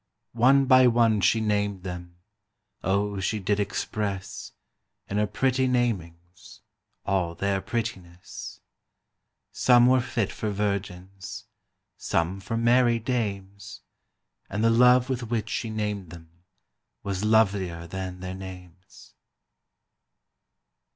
One by one she named them, Oh, she did express In her pretty namings All their prettiness: Some were fit for virgins, Some for merry dames, And the love with which she named them Was lovelier than their names.